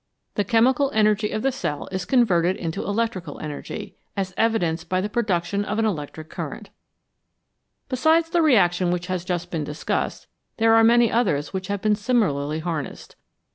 The chemical energy of the cell is con 294 " CHEMISTRY AND ELECTRICITY verted into electrical energy, as evidenced by the pro duction of an electric current. Besides the reaction which has just been discussed, there are many others which have been similarly harnessed.